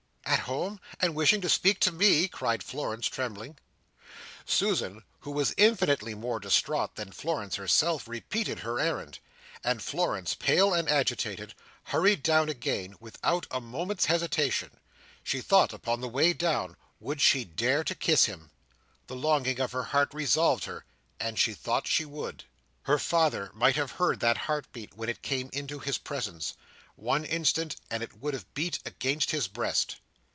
"At home! and wishing to speak to me!" cried Florence, trembling. Susan, who was infinitely more distraught than Florence herself, repeated her errand; and Florence, pale and agitated, hurried down again, without a moment's hesitation. She thought upon the way down, would she dare to kiss him? The longing of her heart resolved her, and she thought she would. Her father might have heard that heart beat, when it came into his presence. One instant, and it would have beat against his breast.